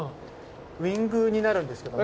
ウィングになるんですけども。